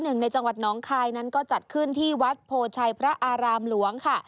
ในจังหวัดน้องคายนั้นก็จัดขึ้นที่วัดโพชัยพระอารามหลวงค่ะ